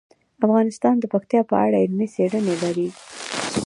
افغانستان د پکتیا په اړه علمي څېړنې لري.